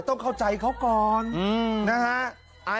ต้องเข้าใจเขาก่อนนะฮะ